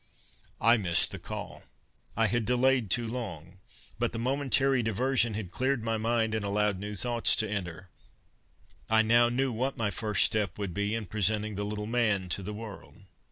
I missed the call I had delayed too long but the momentary diversion had cleared my mind and allowed new thoughts to enter. I now knew what my first step would be in presenting the little man to the world.